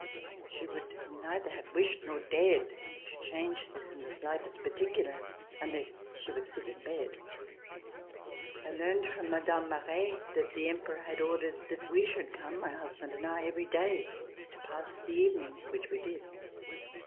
She would neither have wished nor dared to change this in the slightest particular, unless she was sick in bed. I learned from Mme. Maret that the Emperor had ordered that we should come, my husband and I, every day to pass the evening, which we did.